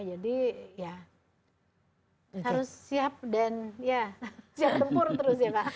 jadi ya harus siap dan ya siap tempur terus ya pak